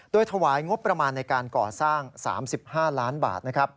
โดยถวายงบประมาณในการก่อสร้าง๓๕ล้านบาท